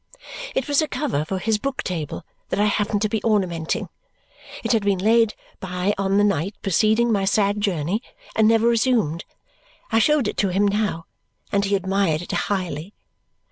It was a cover for his book table that I happened to be ornamenting. It had been laid by on the night preceding my sad journey and never resumed. I showed it to him now, and he admired it highly.